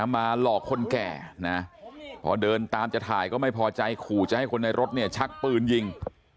มาหลอกคนแก่นะพอเดินตามจะถ่ายก็ไม่พอใจขู่จะให้คนในรถเนี่ยชักปืนยิง